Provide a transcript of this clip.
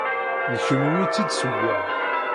D kemm umi tt-id-ssewweɣ.